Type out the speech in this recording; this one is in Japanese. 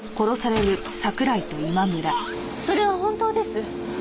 それは本当です！